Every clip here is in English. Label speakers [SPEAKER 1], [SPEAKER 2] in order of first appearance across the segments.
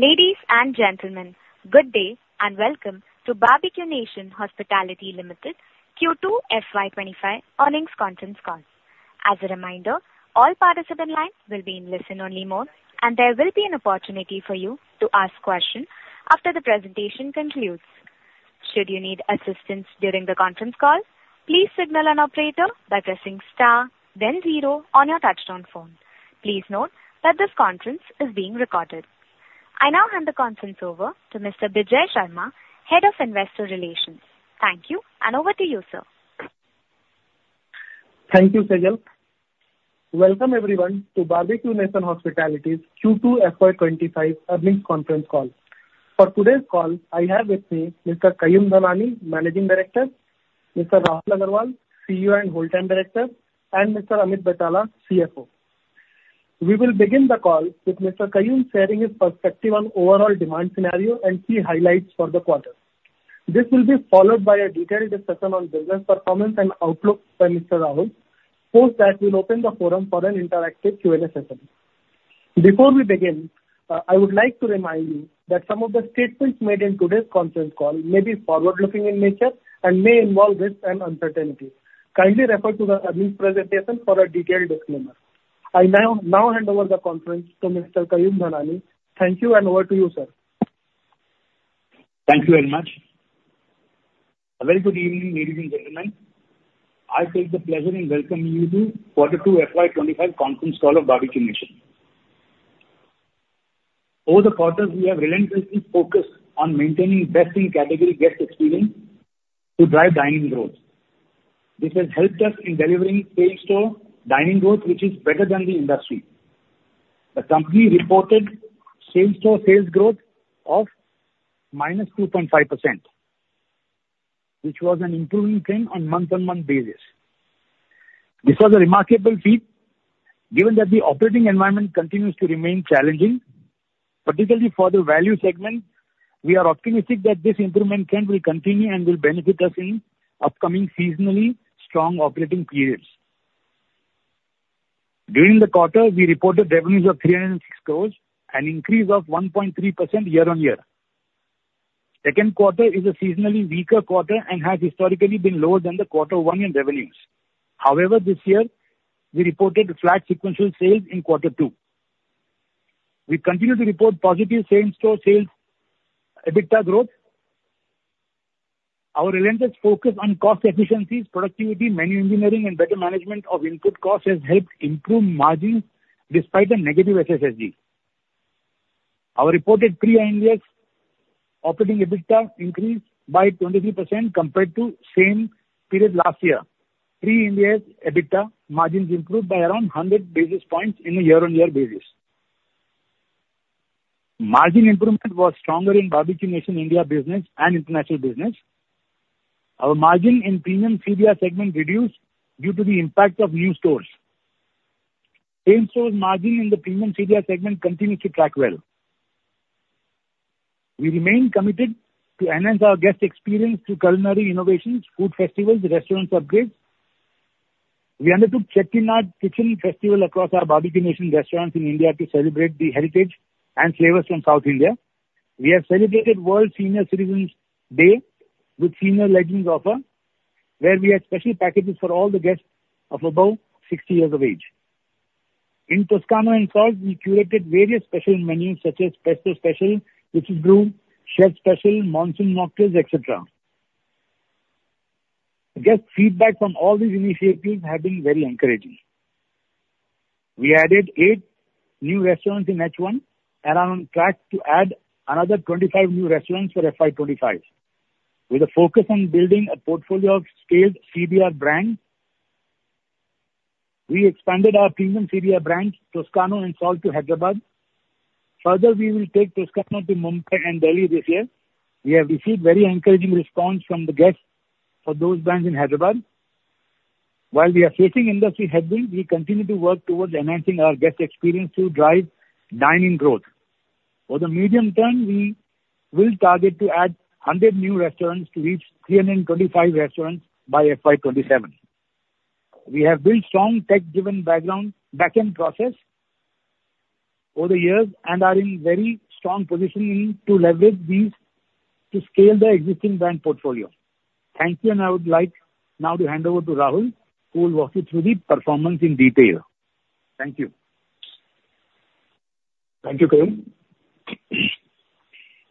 [SPEAKER 1] Ladies and gentlemen, good day and welcome to Barbeque Nation Hospitality Limited Q2 FY25 earnings conference call. As a reminder, all participants' lines will be in listen-only mode, and there will be an opportunity for you to ask questions after the presentation concludes. Should you need assistance during the conference call, please signal an operator by pressing star, then zero on your touch-tone phone. Please note that this conference is being recorded. I now hand the conference over to Mr. Bijay Sharma, Head of Investor Relations. Thank you, and over to you, sir.
[SPEAKER 2] Thank you, Kajal. Welcome, everyone, to Barbeque Nation Hospitality's Q2 FY25 earnings conference call. For today's call, I have with me Mr. Kayum Dhanani, Managing Director, Mr. Rahul Agrawal, CEO and Whole Time Director, and Mr. Amit Betala, CFO. We will begin the call with Mr. Kayum sharing his perspective on overall demand scenario and key highlights for the quarter. This will be followed by a detailed discussion on business performance and outlook by Mr. Rahul, post that we'll open the forum for an interactive Q&A session. Before we begin, I would like to remind you that some of the statements made in today's conference call may be forward-looking in nature and may involve risks and uncertainties. Kindly refer to the earnings presentation for a detailed disclaimer. I now hand over the conference to Mr. Kayum Dhanani. Thank you, and over to you, sir.
[SPEAKER 3] Thank you very much. A very good evening, ladies and gentlemen. I take the pleasure in welcoming you to Q2 FY25 conference call of Barbeque Nation. Over the quarter, we have relentlessly focused on maintaining best-in-category guest experience to drive dining growth. This has helped us in delivering same-store dining growth, which is better than the industry. The company reported same-store sales growth of minus 2.5%, which was an improving trend on a month-on-month basis. This was a remarkable feat, given that the operating environment continues to remain challenging, particularly for the value segment. We are optimistic that this improvement trend will continue and will benefit us in upcoming seasonally strong operating periods. During the quarter, we reported revenues of 306 crores and an increase of 1.3% year-on-year. The second quarter is a seasonally weaker quarter and has historically been lower than the Q1 revenues. However, this year, we reported flat sequential sales in Q2. We continue to report positive same-store sales EBITDA growth. Our relentless focus on cost efficiencies, productivity, menu engineering, and better management of input costs has helped improve margins despite the negative SSSG. Our reported Pre-Ind AS operating EBITDA increased by 23% compared to the same period last year. Pre-Ind AS EBITDA margins improved by around 100 basis points on a year-on-year basis. Margin improvement was stronger in Barbeque Nation India business and international business. Our margin in premium CDR segment reduced due to the impact of new stores. Same-store margin in the premium CDR segment continues to track well. We remain committed to enhance our guest experience through culinary innovations, food festivals, and restaurant upgrades. We undertook Chettinad Kitchen Festival across our Barbeque Nation restaurants in India to celebrate the heritage and flavors from South India. We have celebrated World Senior Citizens' Day with Senior Legends Offer, where we had special packages for all the guests of above 60 years of age. In Toscano and Salt, we curated various special menus such as Pesto Special, Whiskey Brew, Chef Special, Monsoon Mocktails, etc. Guest feedback from all these initiatives has been very encouraging. We added eight new restaurants in H1 and are on track to add another 25 new restaurants for FY25. With a focus on building a portfolio of scaled CDR brands, we expanded our premium CDR brands Toscano and Salt to Hyderabad. Further, we will take Toscano to Mumbai and Delhi this year. We have received very encouraging responses from the guests for those brands in Hyderabad. While we are facing industry headwinds, we continue to work towards enhancing our guest experience to drive dining growth. For the medium term, we will target to add 100 new restaurants to reach 325 restaurants by FY27. We have built strong tech-driven backend processes over the years and are in very strong position to leverage these to scale the existing brand portfolio. Thank you, and I would like now to hand over to Rahul, who will walk you through the performance in detail. Thank you.
[SPEAKER 4] Thank you, Kayum.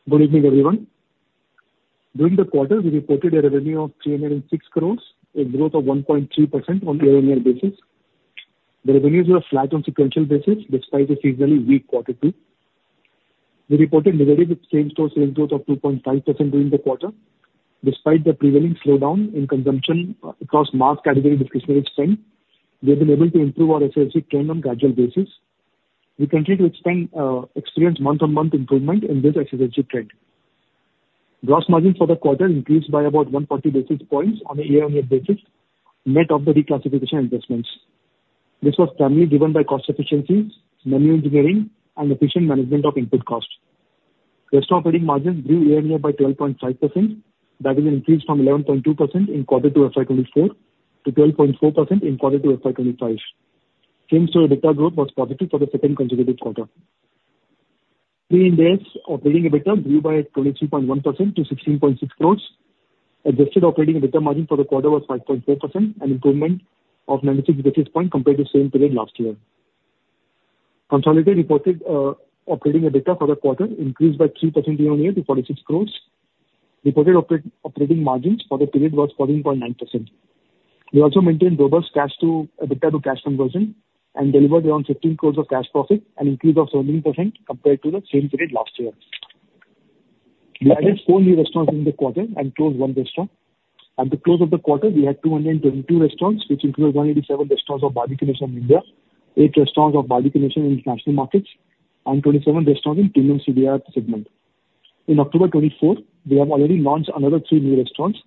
[SPEAKER 4] Good evening, everyone. During the quarter, we reported a revenue of 306 crores, a growth of 1.3% on a year-on-year basis. The revenues were flat on a sequential basis despite a seasonally weak Q2. We reported negative same-store sales growth of 2.5% during the quarter. Despite the prevailing slowdown in consumption across market category discretionary spend, we have been able to improve our SSSG trend on a gradual basis. We continue to expect experienced month-on-month improvement in this SSSG trend. Gross margins for the quarter increased by about 140 basis points on a year-on-year basis net of the reclassification adjustments. This was primarily driven by cost efficiencies, menu engineering, and efficient management of input costs. Restaurant operating margins grew year-on-year by 12.5%, that is, an increase from 11.2% in Q2 FY24 to 12.4% in Q2 FY25. Same-store EBITDA growth was positive for the second consecutive quarter. Pre-Ind AS operating EBITDA grew by 23.1% to 16.6 crores. Adjusted operating EBITDA margin for the quarter was 5.4%, an improvement of 96 basis points compared to the same period last year. Consolidated reported operating EBITDA for the quarter increased by 3% year-on-year to 46 crores. Reported operating margins for the period were 14.9%. We also maintained robust EBITDA to cash conversion and delivered around 15 crores of cash profit and an increase of 17% compared to the same period last year. We added four new restaurants during the quarter and closed one restaurant. At the close of the quarter, we had 222 restaurants, which included 187 restaurants of Barbeque Nation India, eight restaurants of Barbeque Nation International Markets, and 27 restaurants in premium CDR segment. In October 2024, we have already launched another three new restaurants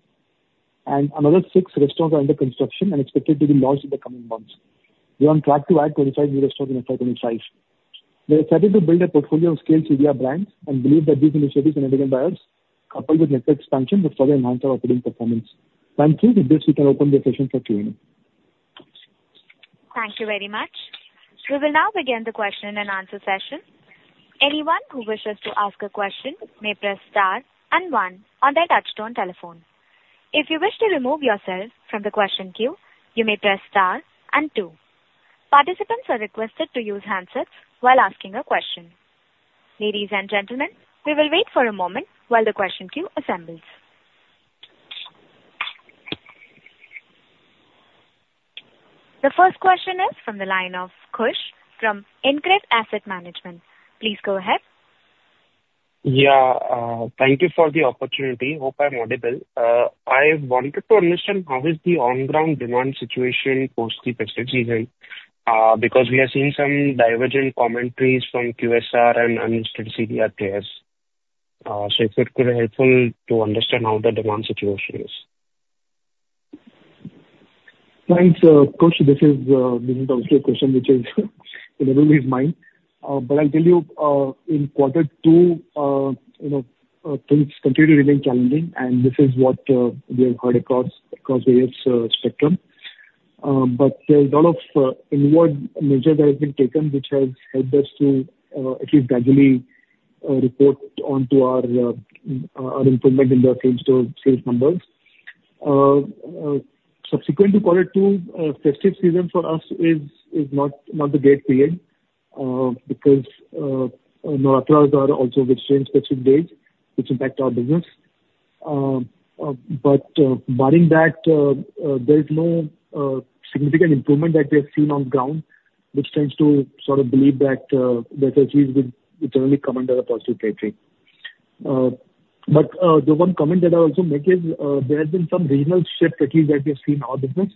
[SPEAKER 4] and another six restaurants are under construction and expected to be launched in the coming months. We are on track to add 25 new restaurants in FY25. We are excited to build a portfolio of scaled CDR brands and believe that these initiatives undertaken by us, coupled with network expansion, will further enhance our operating performance. Thank you. With this, we can open the session for Q&A.
[SPEAKER 1] Thank you very much. We will now begin the question and answer session. Anyone who wishes to ask a question may press star and one on their touch-tone telephone. If you wish to remove yourself from the question queue, you may press star and two. Participants are requested to use handsets while asking a question. Ladies and gentlemen, we will wait for a moment while the question queue assembles. The first question is from the line of Khush from InCred Asset Management. Please go ahead.
[SPEAKER 5] Yeah. Thank you for the opportunity. Hope I'm audible. I wanted to understand how is the on-ground demand situation post the festive season because we have seen some divergent commentaries from QSR and unlisted CDR players. So if it could be helpful to understand how the demand situation is.
[SPEAKER 4] Thanks, Khush. This is the question which is in everybody's mind. But I'll tell you, in Q2, things continue to remain challenging, and this is what we have heard across various spectrums. But there's a lot of internal measures that have been taken, which has helped us to at least gradually report an improvement in the same-store sales numbers. Subsequent to Q2, festive season for us is not a great period because Navratris are also restricted to specific dates, which impact our business. But barring that, there's no significant improvement that we have seen on the ground, which does not lead us to believe that the festive season would generally come under a positive territory. But the one comment that I'll also make is there have been some regional shifts that we have seen in our business,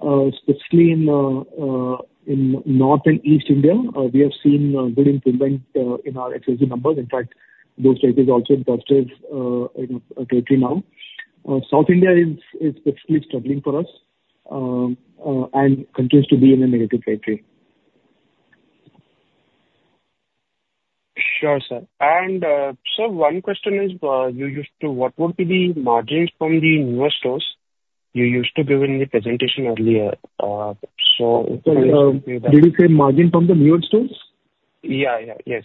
[SPEAKER 4] especially in North and East India. We have seen good improvement in our SSSG numbers. In fact, those trades are also in positive territory now. South India is specifically struggling for us and continues to be in a negative territory.
[SPEAKER 5] Sure, sir. And sir, one question is, what would be the margins from the newer stores? You used to give in the presentation earlier. So if I understand you that.
[SPEAKER 4] Did you say margin from the newer stores?
[SPEAKER 5] Yeah, yeah. Yes.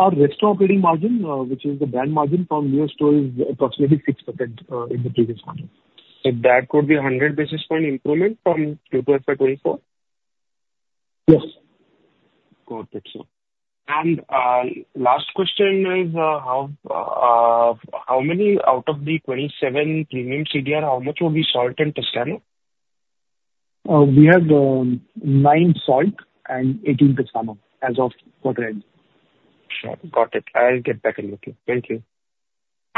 [SPEAKER 4] Our restaurant operating margin, which is the brand margin from newer stores, is approximately 6% in the previous quarter.
[SPEAKER 5] So that could be 100 basis points improvement from Q2 FY24?
[SPEAKER 4] Yes.
[SPEAKER 5] Good. Good, sir. And last question is, how many out of the 27 premium CDR, how much will be Salt and Toscano?
[SPEAKER 4] We have nine Salt and 18 Toscano as of Q2.
[SPEAKER 5] Sure. Got it. I'll get back and look at it. Thank you.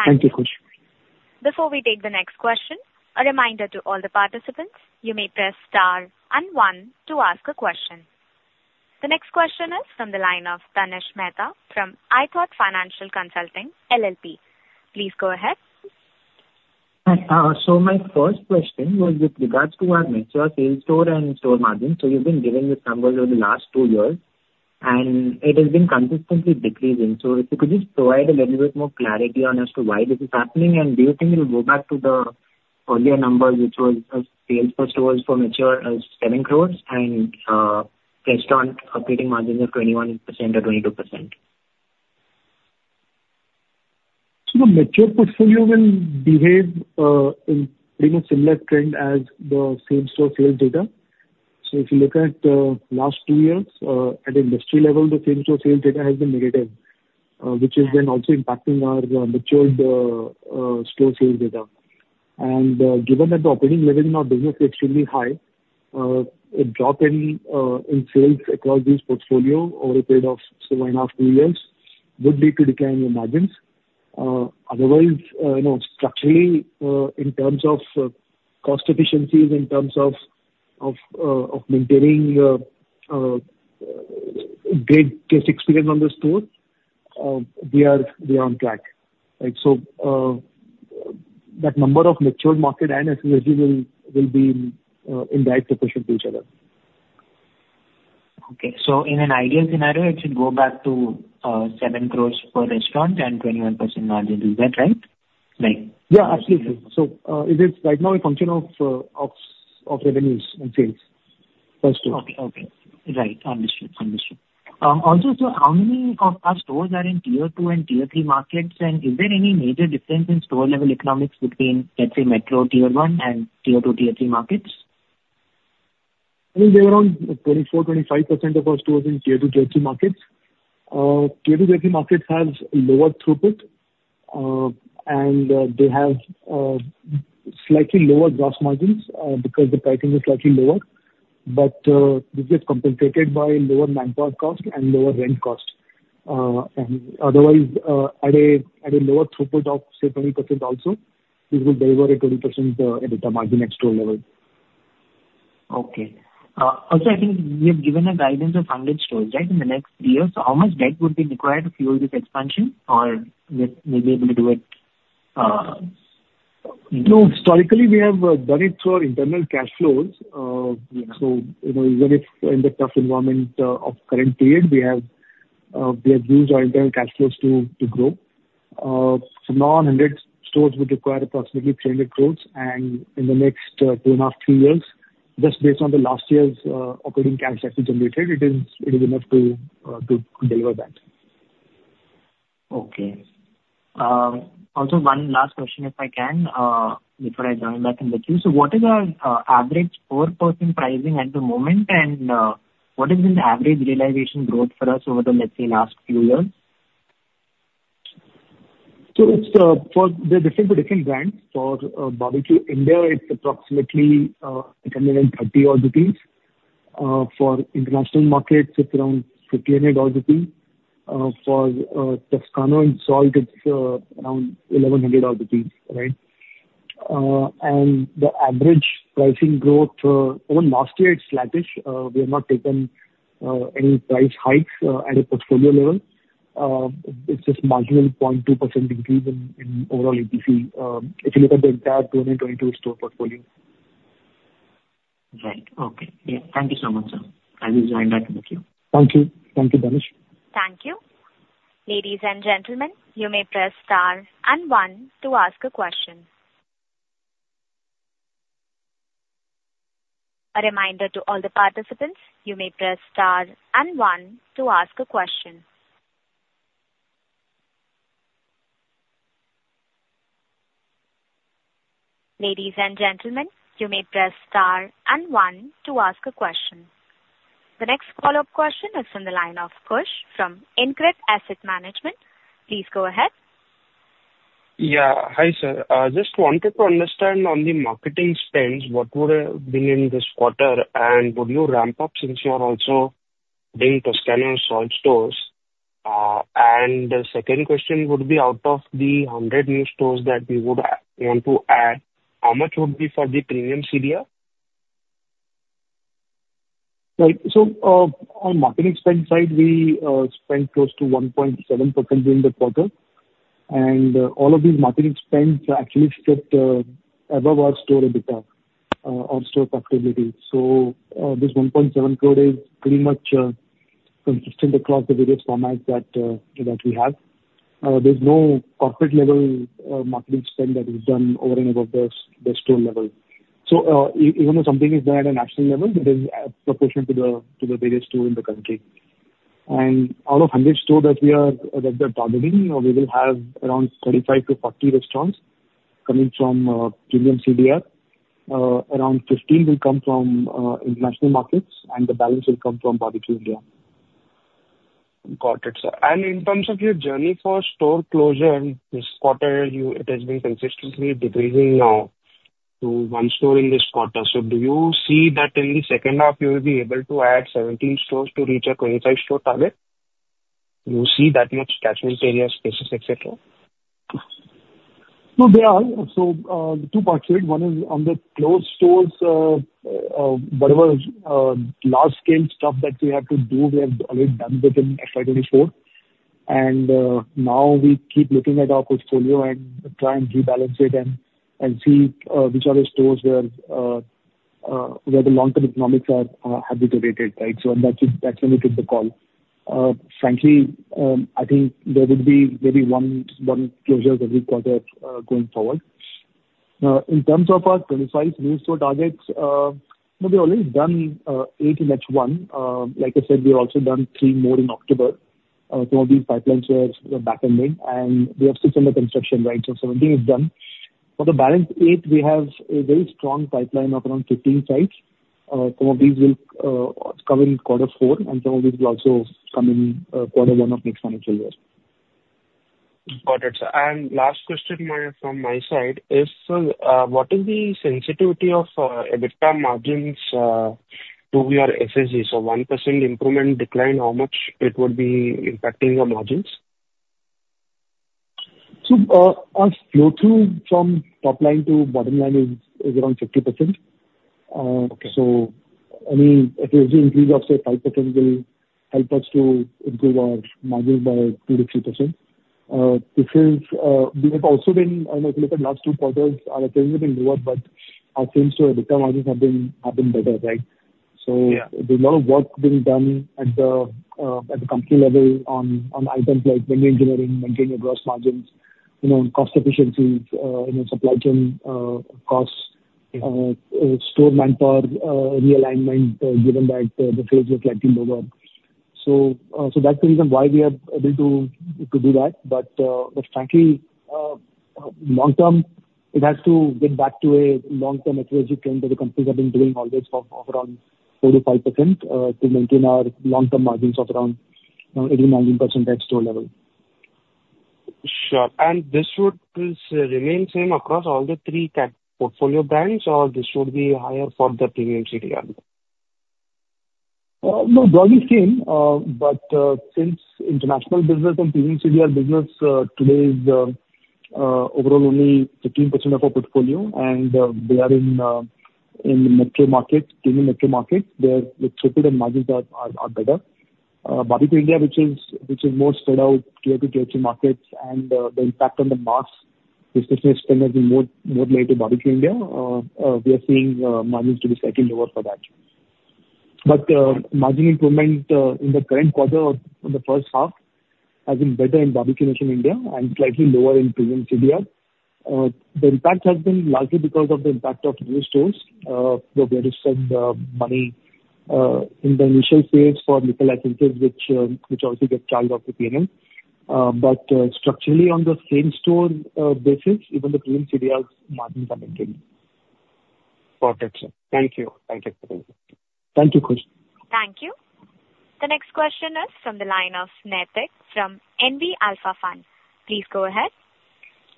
[SPEAKER 4] Thank you, Khush.
[SPEAKER 1] Before we take the next question, a reminder to all the participants, you may press star and one to ask a question. The next question is from the line of Tanish Mehta from iThought Financial Consulting LLP. Please go ahead.
[SPEAKER 6] So my first question was with regards to our net sales per store and store margins. So you've been giving these numbers over the last two years, and it has been consistently decreasing. So if you could just provide a little bit more clarity as to why this is happening, and do you think it will go back to the earlier number, which was sales per store for mature stores as 7 crores and restaurant operating margins of 21% or 22%?
[SPEAKER 4] The mature portfolio will behave in pretty much similar trend as the same-store sales data. If you look at the last two years, at the industry level, the same-store sales data has been negative, which has been also impacting our mature store sales data. Given that the operating leverage in our business is extremely high, a drop in sales across these portfolios over a period of two and a half, three years would lead to declining margins. Otherwise, structurally, in terms of cost efficiencies, in terms of maintaining great guest experience on the stores, we are on track. That number of mature market and SSSG will be in direct proportion to each other.
[SPEAKER 6] Okay. So in an ideal scenario, it should go back to 7 crores per restaurant and 21% margin. Is that right?
[SPEAKER 4] Yeah, absolutely. So it is right now a function of revenues and sales, first of all.
[SPEAKER 6] Okay. Right. Understood. Also, sir, how many of our stores are in Tier 2 and Tier 3 markets? And is there any major difference in store-level economics between, let's say, metro Tier 1 and Tier 2, Tier 3 markets?
[SPEAKER 4] I mean, they're around 24%, 25% of our stores in Tier 2, Tier 3 markets. Tier 2, Tier 3 markets have lower throughput, and they have slightly lower gross margins because the pricing is slightly lower. But this gets compensated by lower manpower cost and lower rent cost. And otherwise, at a lower throughput of, say, 20% also, we will deliver a 20% EBITDA margin at store level.
[SPEAKER 6] Okay. Also, I think you have given a guidance of 100 stores, right, in the next three years. So how much debt would be required to fuel this expansion, or will you be able to do it?
[SPEAKER 4] No. Historically, we have done it through our internal cash flows. So even if in the tough environment of current period, we have used our internal cash flows to grow. So now 100 stores would require approximately 300 crores. And in the next two and a half, three years, just based on the last year's operating cash that we generated, it is enough to deliver that.
[SPEAKER 6] Okay. Also, one last question, if I can, before I join back in the queue. So what is our average per-person pricing at the moment, and what has been the average realization growth for us over the, let's say, last few years?
[SPEAKER 4] So it's for the different brands. For Barbeque Nation, it's approximately 830 rupees. For international markets, it's around 1,500 rupees. For Toscano and Salt, it's around 1,100 rupees, right? And the average pricing growth over the last year, it's slanted. We have not taken any price hikes at a portfolio level. It's just marginally 0.2% increase in overall APC if you look at the entire 2022 store portfolio.
[SPEAKER 6] Right. Okay. Yeah. Thank you so much, sir. I will join back in the queue.
[SPEAKER 4] Thank you. Thank you, Tanish.
[SPEAKER 1] Thank you. Ladies and gentlemen, you may press star and one to ask a question. A reminder to all the participants, you may press star and one to ask a question. Ladies and gentlemen, you may press star and one to ask a question. The next follow-up question is from the line of Khush from InCred Asset Management. Please go ahead.
[SPEAKER 5] Yeah. Hi, sir. I just wanted to understand on the marketing spends, what would have been in this quarter, and would you ramp up since you are also doing Toscano and Salt stores? And the second question would be, out of the 100 new stores that we would want to add, how much would be for the premium CDR?
[SPEAKER 4] Right. So on marketing spend side, we spent close to 1.7% during the quarter. And all of these marketing spends actually stripped above our store EBITDA, our store profitability. So this 1.7 crore is pretty much consistent across the various formats that we have. There's no corporate-level marketing spend that is done over and above the store level. So even if something is done at a national level, it is proportional to the various stores in the country. And out of 100 stores that we are targeting, we will have around 35 to 40 restaurants coming from premium CDR. Around 15 will come from international markets, and the balance will come from Barbeque Nation.
[SPEAKER 5] Got it, sir. And in terms of your journey for store closure, this quarter, it has been consistently decreasing now to one store in this quarter. So do you see that in the second half, you will be able to add 17 stores to reach a 25-store target? Do you see that much catchment area, spaces, etc.?
[SPEAKER 4] There are two parts to it. One is on the closed stores. Whatever large-scale stuff that we have to do, we have already done within FY24, and now we keep looking at our portfolio and try and rebalance it and see which are the stores where the long-term economics have deteriorated, right. That's limited the closures. Frankly, I think there would be maybe one closure every quarter going forward. In terms of our 25 new store targets, we have already done eight in H1. Like I said, we have also done three more in October. Some of these pipelines were backending, and we have six under construction, right. 17 is done. For the balance eight, we have a very strong pipeline of around 15 sites. Some of these will come in Q4, and some of these will also come in Q1 of next financial year.
[SPEAKER 5] Got it, sir. And last question from my side is, sir, what is the sensitivity of EBITDA margins to your SSSG? So 1% improvement, decline, how much it would be impacting your margins?
[SPEAKER 4] Our flow-through from top line to bottom line is around 50%. Any increase of, say, 5% will help us to improve our margins by 2%-3%. We have also been, if you look at the last two quarters, our trends have been lower, but our trends to EBITDA margins have been better, right? There's a lot of work being done at the company level on items like menu engineering, maintaining your gross margins, cost efficiencies, supply chain costs, store manpower realignment, given that the flow-through is slightly lower. That's the reason why we are able to do that. But frankly, long-term, it has to get back to a long-term EBITDA trend that the companies have been doing always of around 4%-5% to maintain our long-term margins of around 80%-90% at store level.
[SPEAKER 5] Sure. And this would remain the same across all the three portfolio brands, or this would be higher for the premium CDR?
[SPEAKER 4] No, broadly the same. But since international business and premium CDR business today is overall only 15% of our portfolio, and we are in the metro market, premium metro market, where the throughput and margins are better. Barbeque Nation, which is more spread out tier two, tier three markets, and the impact on the mass business spend has been more related to Barbeque Nation. We are seeing margins to be slightly lower for that. But margin improvement in the current quarter or the first half has been better in Barbeque Nation and slightly lower in premium CDR. The impact has been largely because of the impact of new stores. We have readjusted the money in the initial phase for liquor licenses, which obviously gets charged off the P&L. But structurally, on the same store basis, even the premium CDRs' margins are maintained.
[SPEAKER 5] Got it, sir. Thank you. Thank you.
[SPEAKER 4] Thank you, Khush.
[SPEAKER 1] Thank you. The next question is from the line of Naitik from NV Alpha Fund. Please go ahead.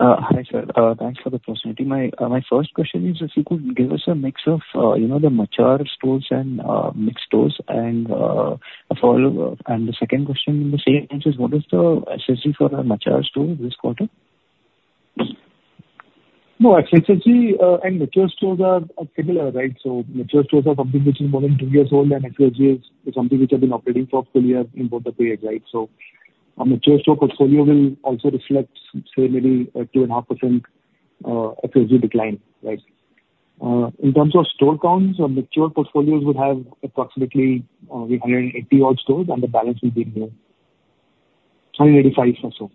[SPEAKER 7] Hi, sir. Thanks for the opportunity. My first question is, if you could give us a mix of the mature stores and mixed stores. And the second question in the same answer is, what is the SSSG for our mature stores this quarter?
[SPEAKER 4] No, actually, SSSG and mature stores are similar, right? So mature stores are something which is more than two years old, and SSSG is something which has been operating for a full year in both the phase, right? So a mature store portfolio will also reflect, say, maybe 2.5% SSSG decline, right? In terms of store counts, mature portfolios would have approximately 180-odd stores, and the balance will be 185 or so.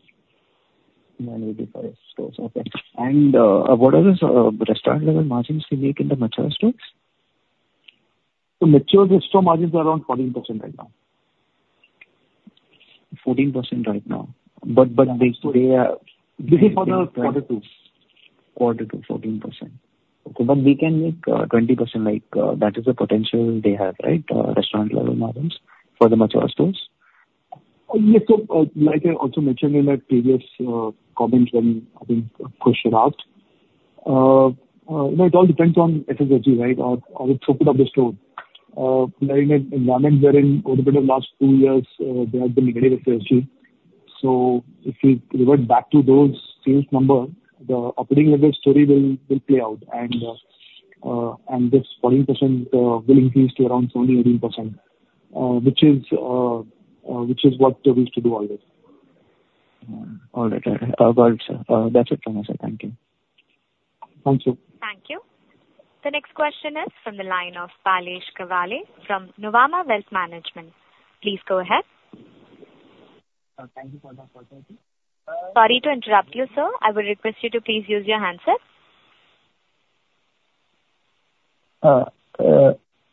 [SPEAKER 7] 185 stores. Okay. And what are the restaurant-level margins we make in the mature stores?
[SPEAKER 4] Mature store margins are around 14% right now.
[SPEAKER 7] 14% right now. But they still.
[SPEAKER 4] This is for the quarter two.
[SPEAKER 7] Quarter two, 14%. Okay. But we can make 20%. That is the potential they have, right, restaurant-level margins for the mature stores?
[SPEAKER 4] Yes. So like I also mentioned in my previous comments when I think Khush asked, it all depends on SSSG, right, or the throughput of the store. We are in an environment wherein over the last two years, there has been negative SSSG. So if we revert back to those sales numbers, the operating level story will play out, and this 14% will increase to around 17%-18%, which is what we used to do always.
[SPEAKER 7] All right. That's it from my side. Thank you.
[SPEAKER 4] Thank you.
[SPEAKER 1] Thank you. The next question is from the line of Palash Kawale from Nuvama Wealth Management. Please go ahead.
[SPEAKER 8] Thank you for the opportunity.
[SPEAKER 1] Sorry to interrupt you, sir. I will request you to please use your handset.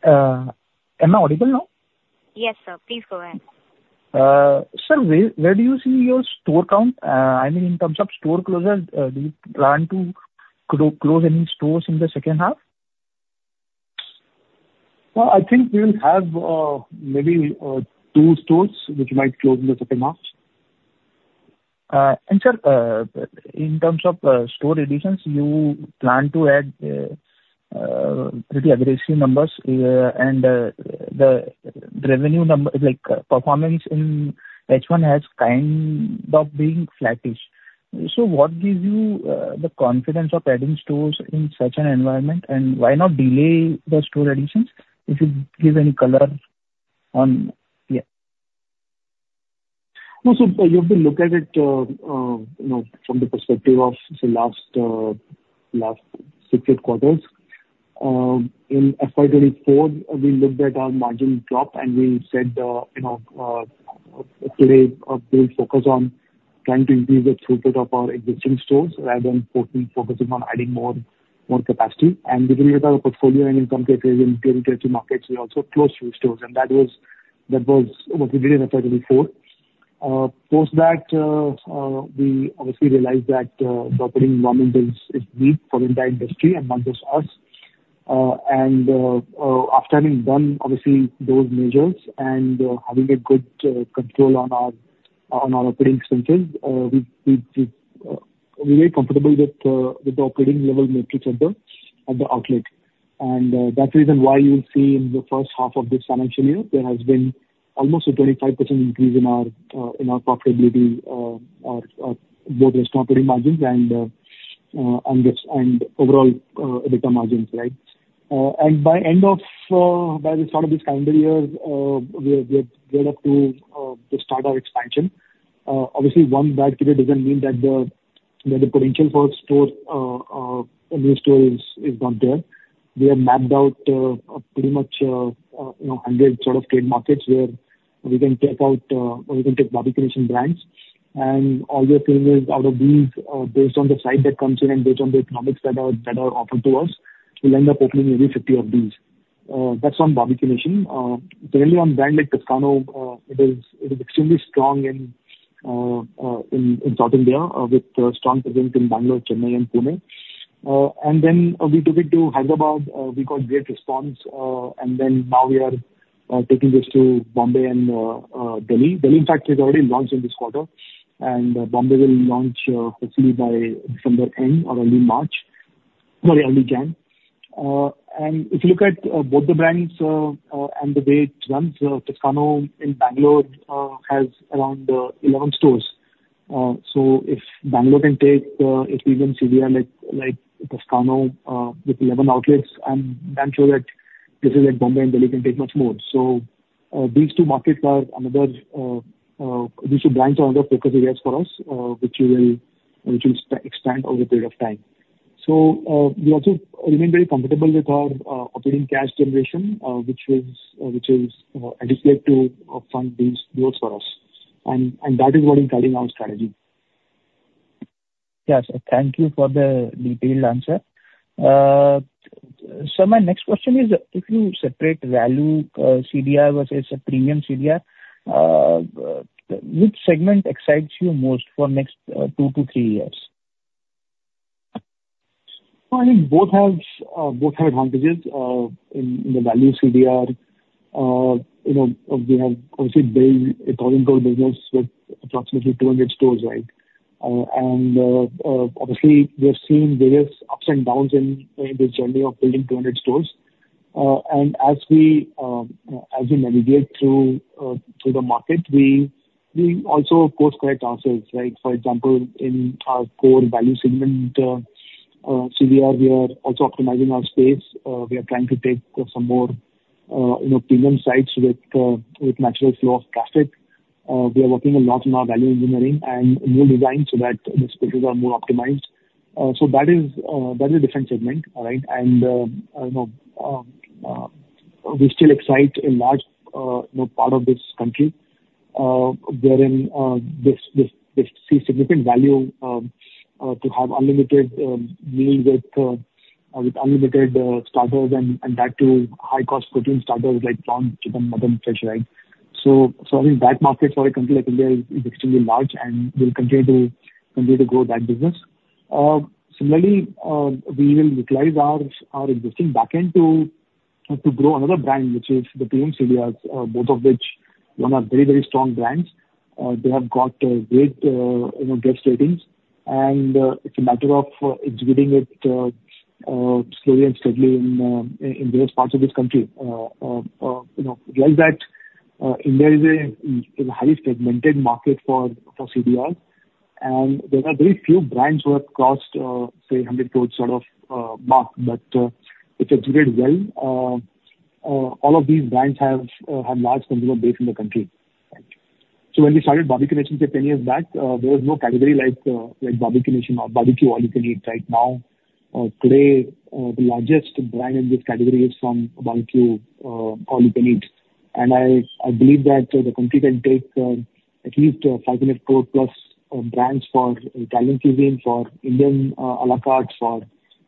[SPEAKER 8] Am I audible now?
[SPEAKER 1] Yes, sir. Please go ahead.
[SPEAKER 8] Sir, where do you see your store count? I mean, in terms of store closures, do you plan to close any stores in the second half?
[SPEAKER 4] I think we will have maybe two stores which might close in the second half.
[SPEAKER 8] Sir, in terms of store additions, you plan to add pretty aggressive numbers, and the revenue performance in H1 has kind of been flattish. What gives you the confidence of adding stores in such an environment, and why not delay the store additions if you give any color on?
[SPEAKER 4] No, so you have to look at it from the perspective of the last six or eight quarters. In FY24, we looked at our margin drop, and we said today we'll focus on trying to increase the throughput of our existing stores rather than focusing on adding more capacity, and we looked at our portfolio, and in some cases, in premium TSG markets, we also closed few stores. That was what we did in FY24. Post that, we obviously realized that the operating environment is weak for the entire industry and not just us, and after having done, obviously, those measures and having good control on our operating expenses, we were very comfortable with the operating-level metrics at the outlet. That's the reason why you'll see in the first half of this financial year, there has been almost a 25% increase in our profitability, both restaurant operating margins and overall EBITDA margins, right? By the start of this calendar year, we are geared up to start our expansion. Obviously, one bad period doesn't mean that the potential for new stores is not there. We have mapped out pretty much 100 sort of trade markets where we can take out, or we can take Barbeque Nation brands. And all we are feeling is out of these, based on the site that comes in and based on the economics that are offered to us, we'll end up opening maybe 50 of these. That's on Barbeque Nation. Generally, on brands like Toscano, it is extremely strong in South India with strong presence in Bangalore, Chennai, and Pune. Then we took it to Hyderabad. We got great response. Then now we are taking this to Bombay and Delhi. Delhi, in fact, is already launched in this quarter, and Bombay will launch hopefully by December end or early March, sorry, early January. And if you look at both the brands and the way it runs, Toscano in Bangalore has around 11 stores. So if Bangalore can take a premium CDR like Toscano with 11 outlets, I'm sure that places like Bombay and Delhi can take much more. So these two brands are another focus areas for us, which we will expand over a period of time. So we also remain very comfortable with our operating cash generation, which is adequate to fund these growths for us. And that is what is guiding our strategy.
[SPEAKER 8] Yeah, so thank you for the detailed answer. Sir, my next question is, if you separate value CDR versus a premium CDR, which segment excites you most for the next two to three years?
[SPEAKER 4] I think both have advantages in the value CDR. We have obviously built a thousand-strong business with approximately 200 stores, right? And obviously, we have seen various ups and downs in this journey of building 200 stores. And as we navigate through the market, we also, of course, correct ourselves, right? For example, in our core value segment CDR, we are also optimizing our space. We are trying to take some more premium sites with natural flow of traffic. We are working a lot on our value engineering and new designs so that the spaces are more optimized. So that is a different segment, right? And we still excite a large part of this country, wherein we see significant value to have unlimited meals with unlimited starters and that too high-cost protein starters like prawns, chicken, mutton, fish, right? I think that market for a country like India is extremely large and will continue to grow that business. Similarly, we will utilize our existing backend to grow another brand, which is the premium CDRs, both of which are very, very strong brands. They have got great guest ratings, and it is a matter of executing it slowly and steadily in various parts of this country. Like that, India is a highly segmented market for CDRs, and there are very few brands who have crossed, say, 100 crores sort of mark, but it is executed well. All of these brands have large consumer base in the country. So when we started Barbeque Nation 10 years back, there was no category like Barbeque Nation or barbecue all-you-can-eat right now. Today, the largest brand in this category is from barbecue all-you-can-eat. I believe that the country can take at least 500 crore-plus brands for Italian cuisine, for Indian à la carte, for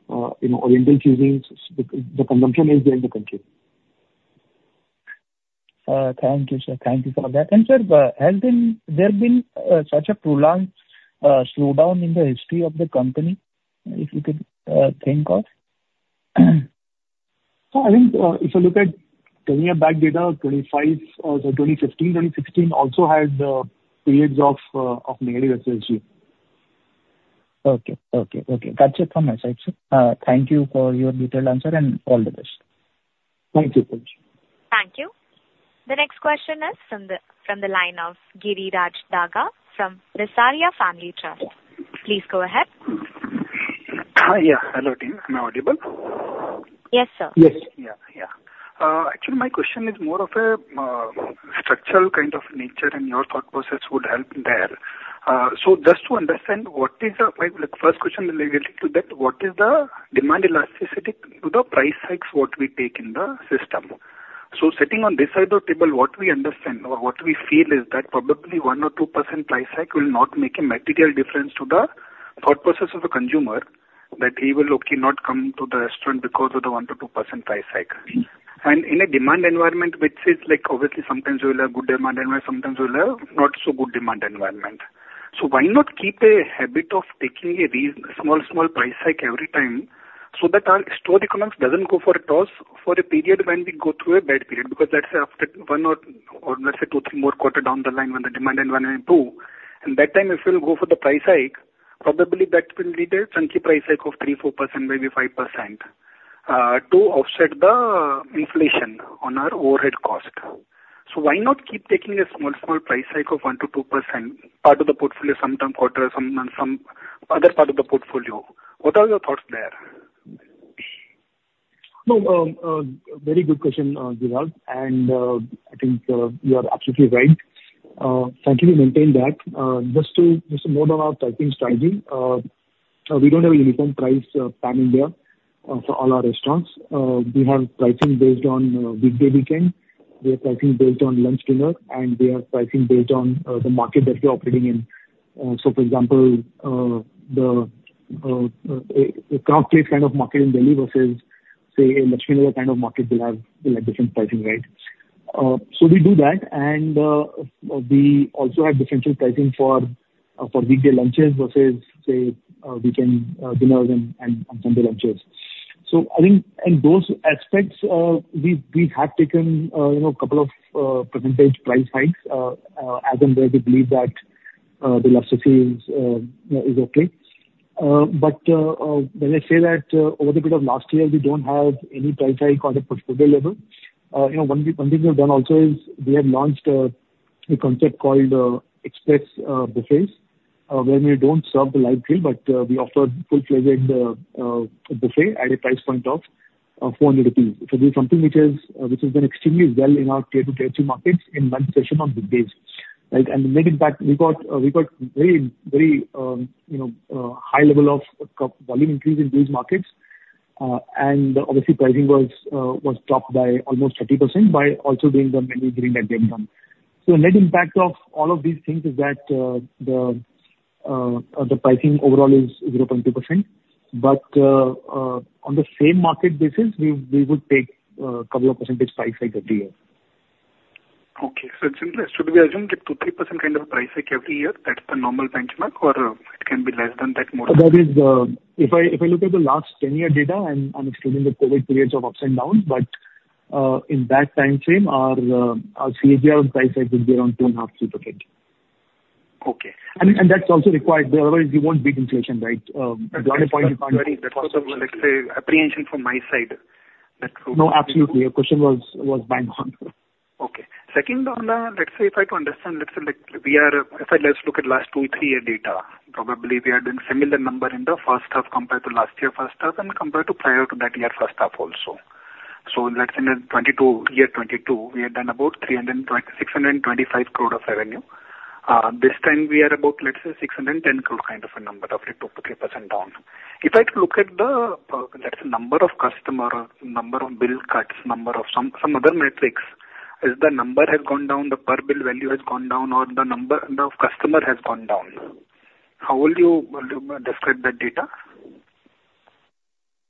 [SPEAKER 4] Oriental cuisines. The consumption is there in the country.
[SPEAKER 8] Thank you, sir. Thank you for that. And sir, has there been such a prolonged slowdown in the history of the company if you could think of?
[SPEAKER 4] I think if you look at 10 years back, data of 2015, 2016 also had periods of negative SSSG.
[SPEAKER 8] Okay. Gotcha. From my side, sir. Thank you for your detailed answer and all the best.
[SPEAKER 4] Thank you.
[SPEAKER 1] Thank you. The next question is from the line of Giriraj Daga from Visaria Family Trust. Please go ahead.
[SPEAKER 9] Yeah. Hello, team. Am I audible?
[SPEAKER 1] Yes, sir.
[SPEAKER 9] Yes. Yeah. Yeah. Actually, my question is more of a structural kind of nature, and your thought process would help there. So just to understand what is the first question related to that, what is the demand elasticity to the price hikes what we take in the system? So sitting on this side of the table, what we understand or what we feel is that probably 1% or 2% price hike will not make a material difference to the thought process of the consumer that he will not come to the restaurant because of the 1% or 2% price hike. And in a demand environment, which is obviously sometimes we will have good demand environment, sometimes we will have not-so-good demand environment. So why not keep a habit of taking a small, small price hike every time so that our store economics doesn't go for a pause for a period when we go through a bad period? Because let's say after one or let's say two, three more quarters down the line when the demand environment improves, and that time if we'll go for the price hike, probably that will lead to a chunky price hike of 3%, 4%, maybe 5% to offset the inflation on our overhead cost. So why not keep taking a small, small price hike of 1% or 2%, part of the portfolio, sometimes quarters, some other part of the portfolio? What are your thoughts there?
[SPEAKER 4] No, very good question, Guraj, and I think you are absolutely right. Thank you. We maintain that. Just more on our pricing strategy. We don't have a uniform price plan in there for all our restaurants. We have pricing based on weekday weekend. We have pricing based on lunch, dinner, and we have pricing based on the market that we are operating in, so for example, the Connaught Place kind of market in Delhi versus, say, a lunch kind of market will have different pricing, right? So we do that, and we also have differential pricing for weekday lunches versus, say, weekend dinners and Sunday lunches, so I think in those aspects, we have taken a couple of percentage price hikes as and where we believe that the elasticity is okay. But when I say that over the period of last year, we don't have any price hike on the portfolio level. One thing we've done also is we have launched a concept called Express Buffet, where we don't serve the live grill, but we offer full-fledged buffet at a price point of 400 rupees. So this is something which has done extremely well in our Tier 2-Tier 3 markets in monsoon season on weekdays, right? And the net impact, we got very, very high level of volume increase in these markets, and obviously, pricing was dropped by almost 30% by also doing the menu engineering that they've done. So the net impact of all of these things is that the pricing overall is 0.2%, but on the same market basis, we would take a couple of percent price hikes every year.
[SPEAKER 9] Okay. So it's simpler. Should we assume that 2%, 3% kind of price hike every year, that's the normal benchmark, or it can be less than that more?
[SPEAKER 4] That is, if I look at the last 10-year data, I'm excluding the COVID periods of ups and downs, but in that time frame, our CAGR price hike would be around 2.5%-3%.
[SPEAKER 9] Okay.
[SPEAKER 4] That's also required. Otherwise, you won't beat inflation, right?
[SPEAKER 9] That's very important. Let's say apprehension from my side.
[SPEAKER 4] No, absolutely. Your question was bang on.
[SPEAKER 9] Okay. Second one, let's say if I understand, let's say if I just look at last two- or three-year data, probably we are doing similar number in the first half compared to last year's first half and compared to prior to that year's first half also. So let's say in 2022, we had done about 625 crore of revenue. This time, we are about, let's say, 610 crore kind of a number, roughly 2% to 3% down. If I look at the number of customers, number of bill cuts, number of some other metrics, if the number has gone down, the per-bill value has gone down, or the number of customers has gone down, how would you describe that data?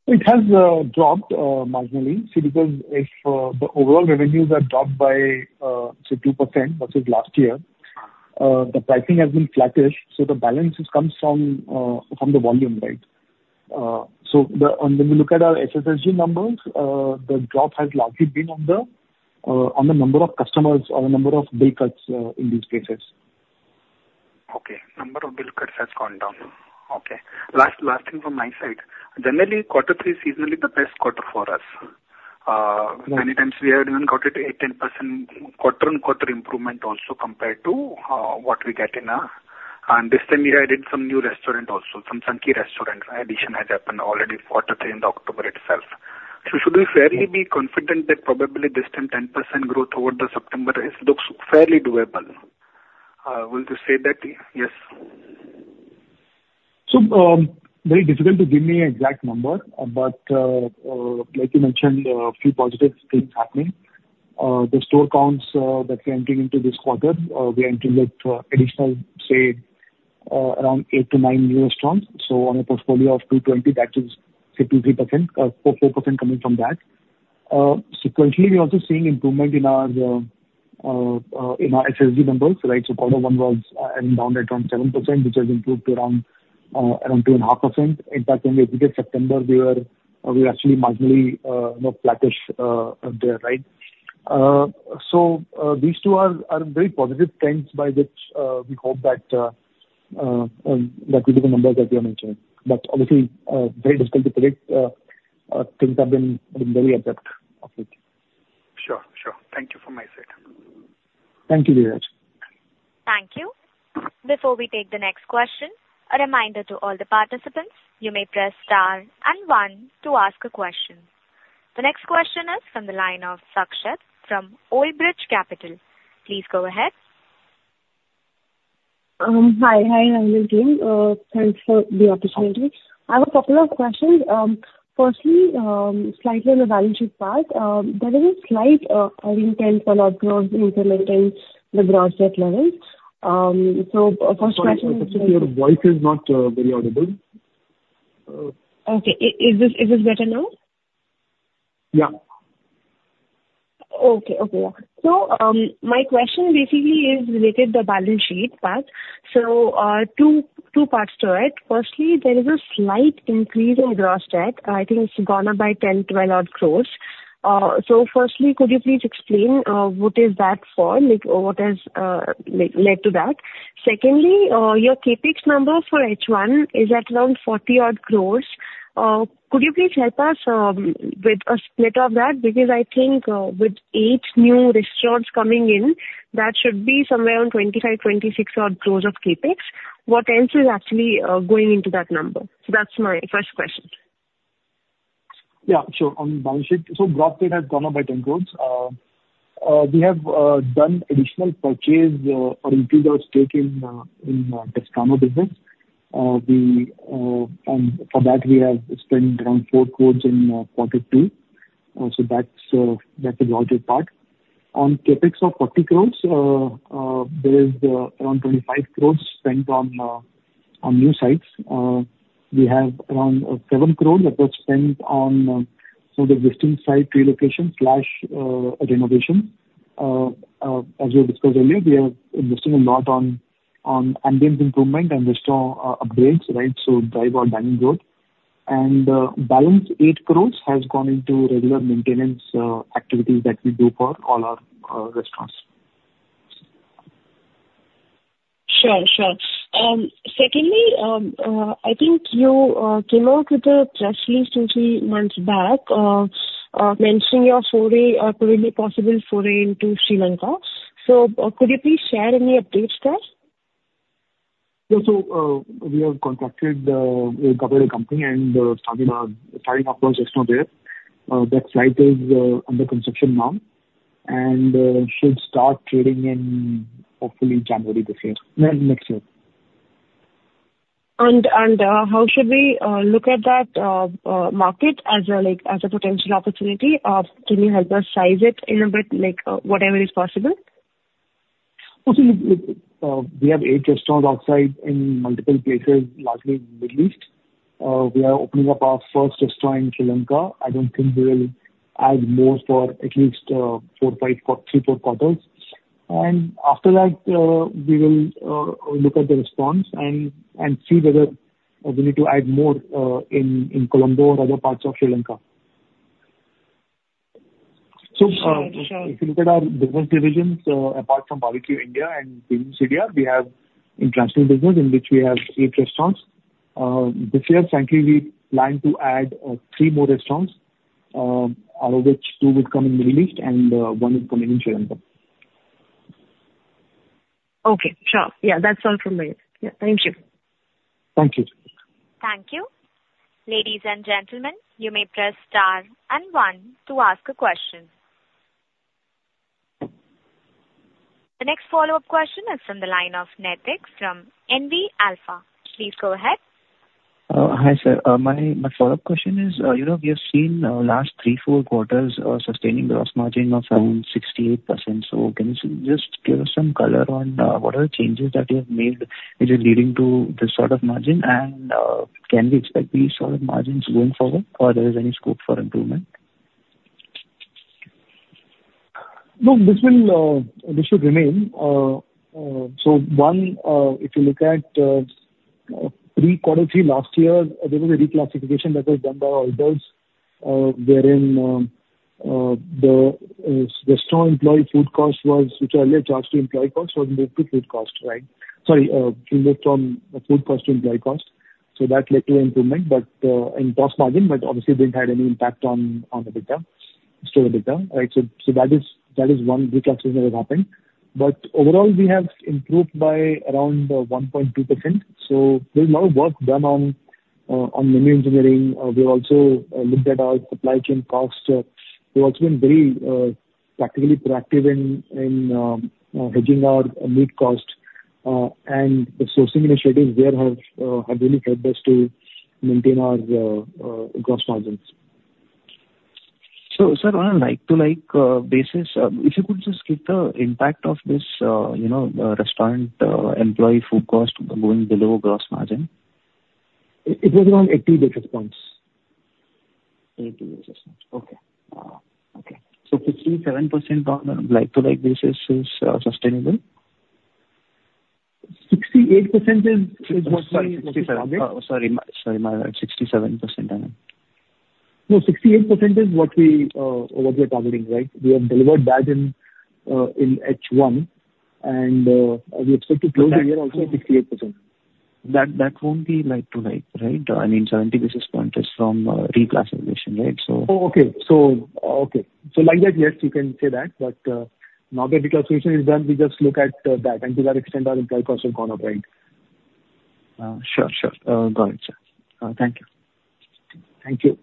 [SPEAKER 4] It has dropped marginally. See, because if the overall revenues are dropped by, say, 2% versus last year, the pricing has been flattish. So the balance comes from the volume, right? So when we look at our SSSG numbers, the drop has largely been on the number of customers or the number of bill cuts in these cases.
[SPEAKER 9] Okay. Number of bill cuts has gone down. Okay. Last thing from my side. Generally, quarter three is seasonally the best quarter for us. Many times, we have even gotten a 10% quarter-on-quarter improvement also compared to what we get in a—and this time, we added some new restaurants also. Some chunky restaurant addition has happened already quarter three in October itself. So should we fairly be confident that probably this time, 10% growth over September looks fairly doable? Will you say that? Yes.
[SPEAKER 4] So very difficult to give me an exact number, but like you mentioned, a few positive things happening. The store counts that we're entering into this quarter, we're entering with additional, say, around eight to nine new restaurants. So on a portfolio of 220, that is, say, 2%-4% coming from that. Sequentially, we're also seeing improvement in our SSSG numbers, right? So quarter one was down at around 7%, which has improved to around 2.5%. In fact, when we exited September, we were actually marginally flattish there, right? So these two are very positive trends by which we hope that we get the numbers that we are mentioning. But obviously, very difficult to predict. Things have been very adept at it.
[SPEAKER 9] Sure. Sure. Thank you from my side.
[SPEAKER 4] Thank you very much.
[SPEAKER 1] Thank you. Before we take the next question, a reminder to all the participants, you may press star and one to ask a question. The next question is from the line of Sakshat from Old Bridge Capital. Please go ahead.
[SPEAKER 10] Hi. Hi, Thanks for the opportunity. I have a couple of questions. Firstly, slightly on the balance sheet part, there is a slight intent for a lot of growth increment in the gross debt levels. So first question.
[SPEAKER 4] Sorry, your voice is not very audible.
[SPEAKER 10] Okay. Is this better now?
[SPEAKER 4] Yeah.
[SPEAKER 10] Okay. Okay. Yeah. So my question basically is related to the balance sheet part. So two parts to it. Firstly, there is a slight increase in gross debt. I think it's gone up by 10-12-odd crores. So firstly, could you please explain what is that for? What has led to that? Secondly, your Capex number for H1 is at around 40-odd crores. Could you please help us with a split of that? Because I think with eight new restaurants coming in, that should be somewhere around 25-26-odd crores of Capex. What else is actually going into that number? So that's my first question.
[SPEAKER 4] Yeah. Sure. On balance sheet, so gross debt has gone up by 10 crores. We have done additional purchase or increased our stake in Toscano business. And for that, we have spent around 4 crores in quarter two. So that's the larger part. On Capex of 40 crores, there is around 25 crores spent on new sites. We have around 7 crores that were spent on some of the existing site relocation/renovation. As we discussed earlier, we are investing a lot on ambience improvement and restaurant upgrades, right? So drive-by dining road. And balance 8 crores has gone into regular maintenance activities that we do for all our restaurants.
[SPEAKER 10] Sure. Sure. Secondly, I think you came out with a press release two or three months back mentioning your possible foray into Sri Lanka. So could you please share any updates there?
[SPEAKER 4] Yeah, so we have contracted with a government company and started our first external trade. That site is under construction now and should start trading in hopefully January this year, next year.
[SPEAKER 10] How should we look at that market as a potential opportunity? Can you help us size it in a bit, whatever is possible?
[SPEAKER 4] See, we have eight restaurants outside in multiple places, largely in the Middle East. We are opening up our first restaurant in Sri Lanka. I don't think we will add more for at least four, five, three, four quarters. After that, we will look at the response and see whether we need to add more in Colombo or other parts of Sri Lanka. If you look at our business divisions, apart from Barbeque Nation India and brands India, we have international business in which we have eight restaurants. This year, frankly, we plan to add three more restaurants, out of which two will come in the Middle East and one will come in Sri Lanka.
[SPEAKER 10] Okay. Sure. Yeah. That's all from me. Yeah. Thank you.
[SPEAKER 4] Thank you.
[SPEAKER 1] Thank you. Ladies and gentlemen, you may press star and one to ask a question. The next follow-up question is from the line of Naitik from Nv Alpha. Please go ahead.
[SPEAKER 7] Hi, sir. My follow-up question is, we have seen last three, four quarters sustaining Gross Margin of around 68%. So can you just give us some color on what are the changes that you have made leading to this sort of margin? And can we expect these sort of margins going forward, or there is any scope for improvement?
[SPEAKER 4] No, this should remain. So one, if you look at pre-quarter three last year, there was a reclassification that was done by auditors, wherein the restaurant employee food cost, which earlier charged to employee cost, was moved to food cost, right? Sorry, we moved from food cost to employee cost. So that led to an improvement in gross margin, but obviously didn't have any impact on the store, right? So that is one reclassification that has happened. But overall, we have improved by around 1.2%. So there's a lot of work done on menu engineering. We have also looked at our supply chain cost. We've also been very proactive in hedging our meat cost. And the sourcing initiatives there have really helped us to maintain our gross margins.
[SPEAKER 7] On a like-for-like basis, if you could just keep the impact of this restaurant employee food cost going below gross margin?
[SPEAKER 4] It was around 80 basis points.
[SPEAKER 7] 80 basis points. Okay. Okay. So 57% on a like-to-like basis is sustainable?
[SPEAKER 4] 68% is what we.
[SPEAKER 7] Sorry, sorry. Sorry. Sorry. 67%.
[SPEAKER 4] No, 68% is what we are targeting, right? We have delivered that in H1, and we expect to close the year also at 68%.
[SPEAKER 7] That won't be like-to-like, right? I mean, 70 basis points is from reclassification, right?
[SPEAKER 4] Oh, okay. So, okay. So like that, yes, you can say that. But now that reclassification is done, we just look at that. And to that extent, our employee costs have gone up, right?
[SPEAKER 7] Sure. Sure. Got it, sir. Thank you.
[SPEAKER 4] Thank you.
[SPEAKER 1] Thank you.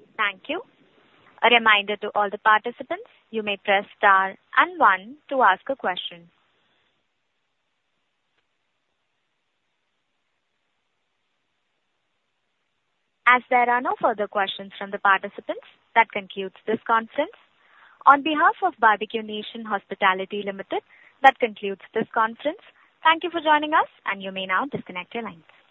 [SPEAKER 1] A reminder to all the participants, you may press star and one to ask a question. As there are no further questions from the participants, that concludes this conference. On behalf of Barbeque Nation Hospitality Limited, that concludes this conference. Thank you for joining us, and you may now disconnect your lines.